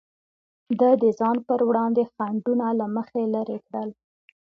ده د ځان پر وړاندې خنډونه له مخې لرې کړل.